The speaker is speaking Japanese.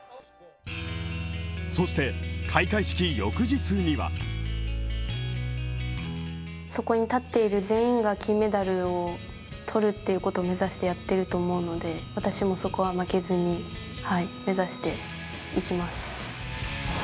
そして、開会式翌日にはそこに立っている全員が金メダルを取るっていうことを目指してやってると思うので私もそこは負けずに目指していきます。